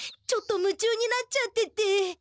ちょっとむちゅうになっちゃってて。